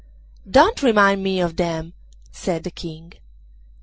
'Don't remind me of them!' said the King.